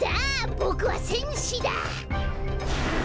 ボクはせんしだ！